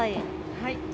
はい。